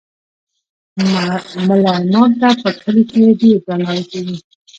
ملا امام ته په کلي کې ډیر درناوی کیږي.